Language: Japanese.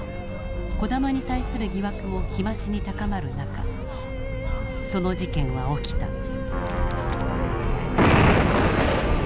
児玉に対する疑惑も日増しに高まる中その事件は起きた。